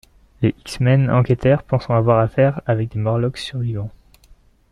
Les X-Men enquêtèrent, pensant avoir affaire avec des Morlocks survivants.